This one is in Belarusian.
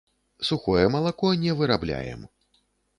Сухое малако не вырабляем.